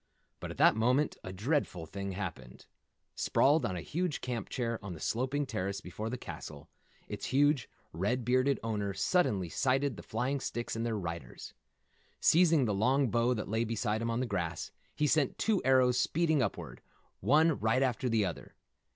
But at that moment a dreadful thing happened. Sprawled on a huge camp chair on the sloping terrace before the castle, its huge, red bearded owner suddenly sighted the flying sticks and their riders. Seizing the long bow that lay beside him on the grass, he sent two arrows speeding upward, one right after the other.